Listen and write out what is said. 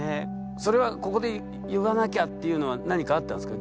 それはここで言わなきゃっていうのは何かあったんですか？